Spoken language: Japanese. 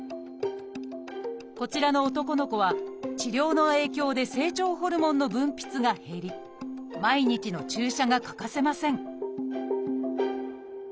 こちらの男の子は治療の影響で成長ホルモンの分泌が減り毎日の注射が欠かせません